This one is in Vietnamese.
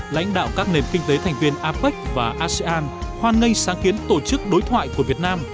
lãnh đạo các nền kinh tế thành viên apec và asean hoan nghênh sáng kiến tổ chức đối thoại của việt nam